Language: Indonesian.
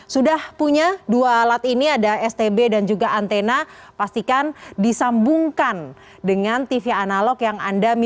sudah punya dua alat ini ada stb dan juga antena pastikan disambungkan dengan tv analog